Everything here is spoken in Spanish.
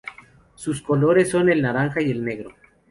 Sus colores son el naranja y el negro.